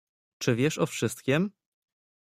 "Czy wiesz o wszystkiem?"